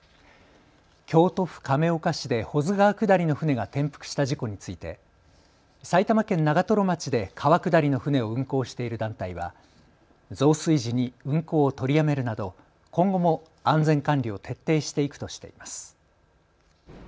京都府亀岡市で保津川下りの舟が転覆した事故について埼玉県長瀞町で川下りの舟を運航している団体は増水時に運航を取りやめるなど今後も安全管理を徹底していくとしています。